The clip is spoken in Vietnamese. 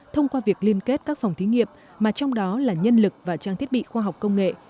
thông qua việc liên kết các phòng thí nghiệm mà trong đó là nhân lực và trang thiết bị khoa học công nghệ